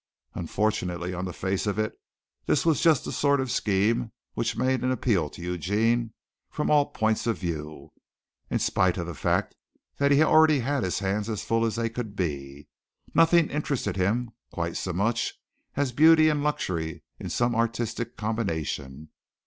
Unfortunately, on the face of it, this was just the sort of scheme which made an appeal to Eugene from all points of view, in spite of the fact that he already had his hands as full as they could be. Nothing interested him quite so much as beauty and luxury in some artistic combination.